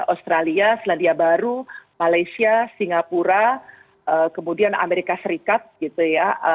australia selandia baru malaysia singapura kemudian amerika serikat gitu ya